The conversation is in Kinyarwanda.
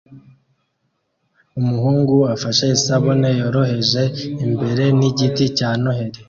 Umuhungu afashe isabune yoroheje imbere yigiti cya Noheri